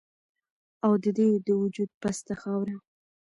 او د دې د وجود پسته خاوره